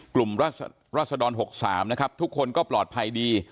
ราศดร๖๓นะครับทุกคนก็ปลอดภัยดี